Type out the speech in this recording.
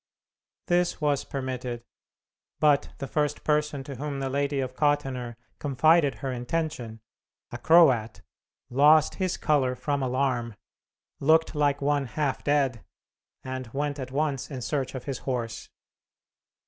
This was permitted; but the first person to whom the Lady of Kottenner confided her intention, a Croat, lost his color from alarm, looked like one half dead, and went at once in search of his horse.